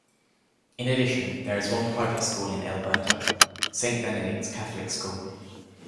In addition, there is one private school in Elberta; Saint Benedict's Catholic School.